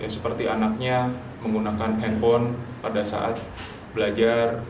seperti anaknya menggunakan handphone pada saat belajar